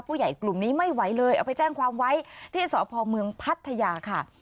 กลุ่มนี้ไม่ไหวเลยเอาไปแจ้งความไว้ที่สพเมืองพัทยาค่ะ